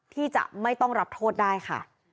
ที่จะไม่ต้องรับโทษได้ค่ะ